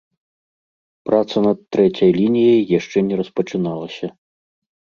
Праца над трэцяй лініяй яшчэ не распачыналася.